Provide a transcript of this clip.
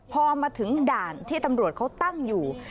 พอมาถึงด่านที่ตำรวจเขาตั้งอยู่